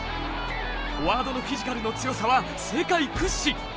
フォワードのフィジカルの強さは世界屈指。